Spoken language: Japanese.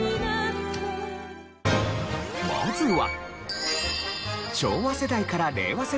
まずは。